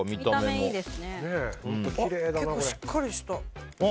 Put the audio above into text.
結構しっかりした。